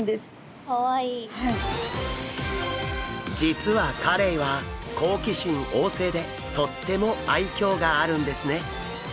実はカレイは好奇心旺盛でとっても愛嬌があるんですね。